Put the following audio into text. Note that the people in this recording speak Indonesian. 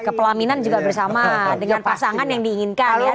kepelaminan juga bersama dengan pasangan yang diinginkan ya